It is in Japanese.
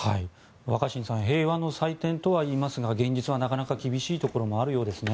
若新さん平和の祭典とは言いますが現実はなかなか厳しいところもあるようですね。